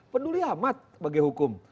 penduli amat bagi hukum